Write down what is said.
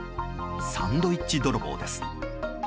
サンドイッチ泥棒です。